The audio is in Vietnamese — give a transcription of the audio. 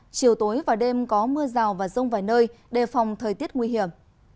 chiều tối và đêm có mưa rào và rông vài nơi đề phòng thời tiết nguy hiểm